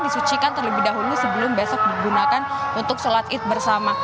disucikan terlebih dahulu sebelum besok digunakan untuk sholat id bersama